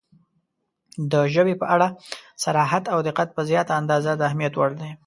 • د ژبې په اړه صراحت او دقت په زیاته اندازه د اهمیت وړ دی.